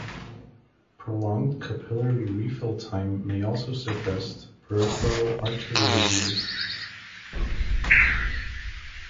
Prolonged capillary refill time may also suggest peripheral artery disease.